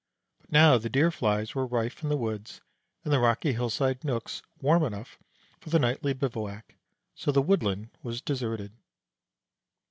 But now the deer flies were rife in the woods, and the rocky hillside nooks warm enough for the nightly bivouac, so the woodland was deserted.